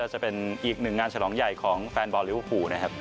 จะเป็นอีกหนึ่งงานฉลองใหญ่ของแฟนบอลลิเวอร์ฟูลนะครับ